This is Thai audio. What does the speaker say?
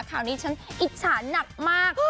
ข่าวนี้ฉันอิจฉาหนักมาก